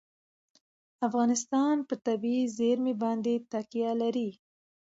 افغانستان په طبیعي زیرمې باندې تکیه لري.